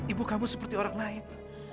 ibu kamu seperti orang lain